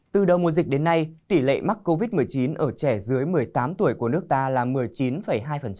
từ đầu mùa dịch đến nay tỷ lệ mắc covid một mươi chín ở trẻ dưới một mươi tám tuổi của nước ta là một mươi chín hai